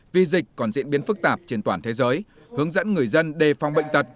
vì dịch còn diễn biến phức tạp trên toàn thế giới hướng dẫn người dân đề phòng bệnh tật